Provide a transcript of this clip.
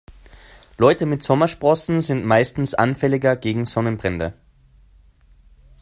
Leute mit Sommersprossen sind meistens anfälliger gegen Sonnenbrände.